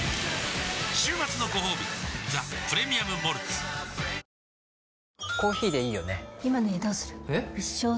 週末のごほうび「ザ・プレミアム・モルツ」一番。